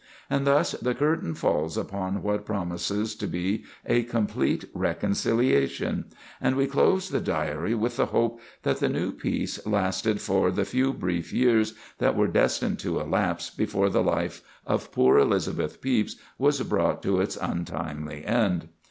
And thus the curtain falls upon what promises to be a complete reconciliation; and we close the Diary with the hope that the new peace lasted for the few brief years that were destined to elapse before the life of poor Elizabeth Pepys was brought to its untimely end.